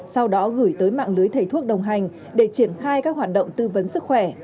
sau đó gửi tới mạng lưới thầy thuốc đồng hành để triển khai các hoạt động tư vấn sức khỏe